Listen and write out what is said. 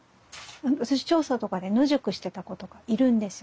私調査とかで野宿してた子とかいるんですよ。